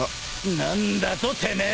［何だとてめえ！